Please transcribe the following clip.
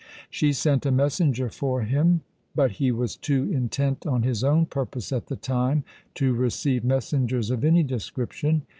She sent a messenger for him, but he was too intent on his own purpose at the time to receive messengers of any description.